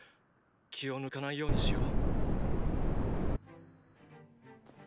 気を抜かないようにしよう。